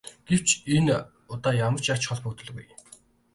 Гэвч энэ одоо ямар ч ач холбогдолгүй.